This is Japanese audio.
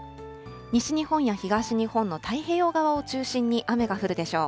西日本や東日本の太平洋側を中心に雨が降るでしょう。